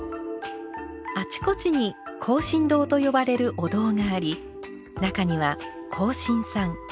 あちこちに「庚申堂」と呼ばれるお堂があり中には庚申さん